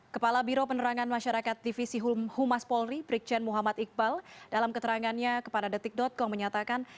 kepala biro penerangan masyarakat divisi humas polri brikjen muhammad iqbal dalam keterangannya kepada detik com menyatakan